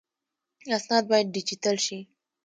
اسناد باید ډیجیټل شي